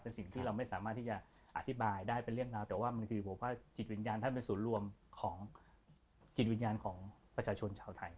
เป็นสิ่งที่เราไม่สามารถที่จะอธิบายได้เป็นเรื่องราวแต่ว่ามันคือจิตวิญญาณท่านเป็นศูนย์รวมของจิตวิญญาณของประชาชนชาวไทย